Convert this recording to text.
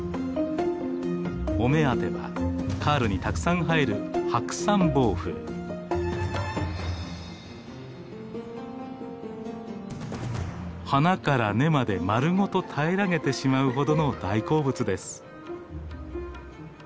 お目当てはカールにたくさん生える花から根まで丸ごと平らげてしまうほどの大好物です。